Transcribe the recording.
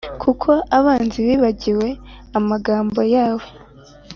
Kuko abanzi bibagiwe amagambo yawe